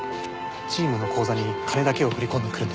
チームの口座に金だけを振り込んでくるんです。